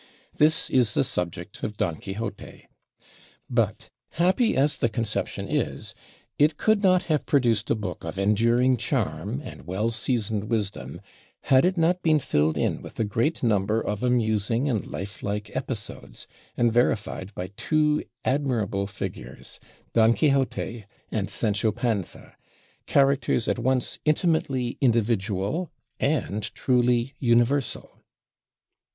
This is the subject of 'Don Quixote.' But happy as the conception is, it could not have produced a book of enduring charm and well seasoned wisdom, had it not been filled in with a great number of amusing and lifelike episodes, and verified by two admirable figures, Don Quixote and Sancho Panza, characters at once intimately individual and truly universal.